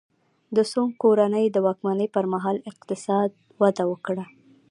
د سونګ کورنۍ د واکمنۍ پرمهال اقتصاد وده وکړه.